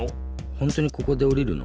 ほんとにここでおりるの？